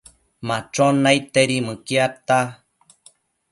Machon naidtedi mëquiadta